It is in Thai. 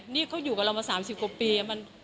นี่เขาอยู่กับเรามา๓๐กว่าปี